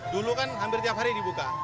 dulu kan hampir tiap hari dibuka